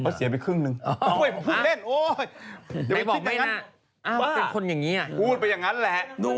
ว่าวูดไปยังนั้นแหละ